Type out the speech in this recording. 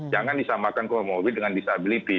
jangan disamakan comorbid dengan disability